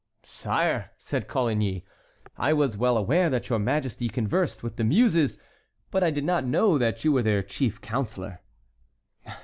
'" "Sire," said Coligny, "I was well aware that your Majesty conversed with the Muses, but I did not know that you were their chief counsellor."